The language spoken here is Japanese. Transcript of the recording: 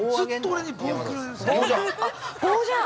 棒じゃん。